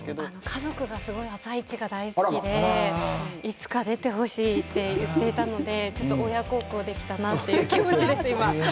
家族が「あさイチ」が大好きで、いつか出てほしいって言っていたので親孝行できたなという気持ちです、今。